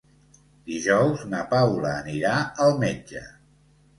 Dijous na Paula anirà al metge.